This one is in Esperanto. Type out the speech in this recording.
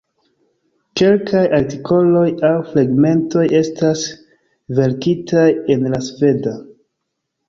Kelkaj artikoloj aŭ fragmentoj estas verkitaj en la Sveda.